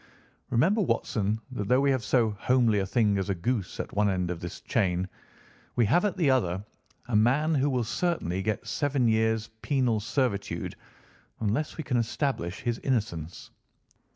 "Remember, Watson that though we have so homely a thing as a goose at one end of this chain, we have at the other a man who will certainly get seven years' penal servitude unless we can establish his innocence.